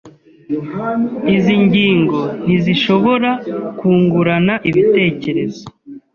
Izi ngingo ntizishobora kungurana ibitekerezo.